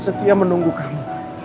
setia menunggu kamu